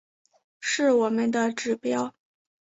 是我们的指标